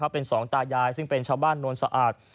เป็นสองตายายซึ่งเป็นชาวบ้านโนนสะอาด